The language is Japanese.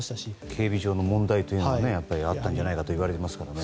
警備上の問題があったんじゃないかといわれていますね。